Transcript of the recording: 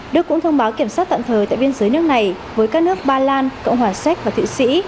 đức cũng thông báo kiểm soát tạm thời tại biên giới nước này với các nước ba lan cộng hòa séc và thụy sĩ